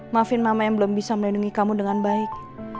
maafin mama yang belum bisa melindungi kamu dengan baik